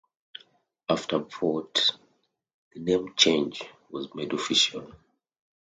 After a vote the name change was made official.